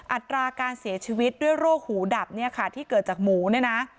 อัตราการเสียชีวิตด้วยโรคหูดับเนี่ยค่ะที่เกิดจากหมูเนี่ยนะ